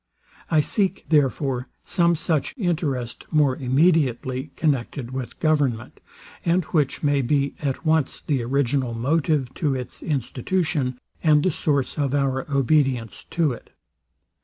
I seek, therefore, some such interest more immediately connected with government, and which may be at once the original motive to its institution, and the source of our obedience to it.